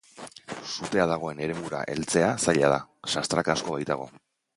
Sutea dagoen eremura heltzea zaila da, sastraka asko baitago.